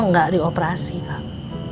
nggak dioperasi kang